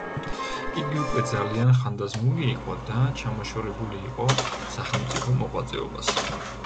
იგი უკვე ძალიან ხანდაზმული იყო და ჩამოშორებული იყო სახელმწიფო მოღვაწეობას.